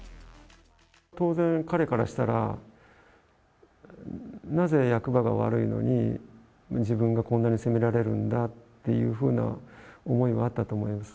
当然、彼からしたら、なぜ役場が悪いのに、自分がこんなに責められるんだっていうふうな思いはあったと思います。